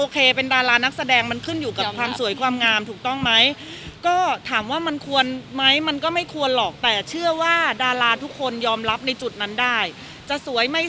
คอยถูกบอกแถมบริบทแหล่งมนุษย์